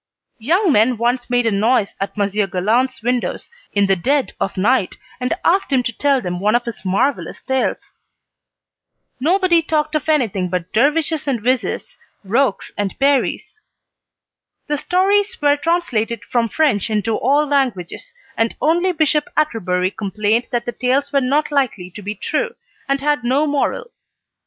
Young men once made a noise at Monsieur Galland's windows in the dead of night, and asked him to tell them one of his marvellous tales. Nobody talked of anything but dervishes and vizirs, rocs and peris. The stories were translated from French into all languages, and only Bishop Atterbury complained that the tales were not likely to be true, and had no moral.